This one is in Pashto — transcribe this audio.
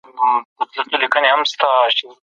پرمختیا د خلګو ژوند ښه کوي.